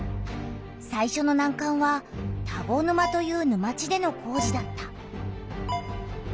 さいしょのなんかんは田子沼という沼地での工事だった。